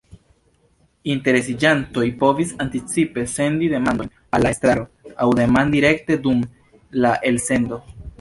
Interesiĝantoj povis anticipe sendi demandojn al la estraro, aŭ demandi rekte dum la elsendo.